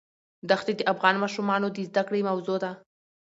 دښتې د افغان ماشومانو د زده کړې موضوع ده.